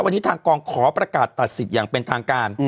วันนี้ทางกองขอประกาศตัดสิทธิ์อย่างเป็นทางการ